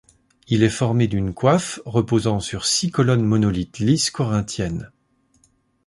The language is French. Il est formé d'une coiffe reposant sur six colonnes monolithes lisses corinthiennes.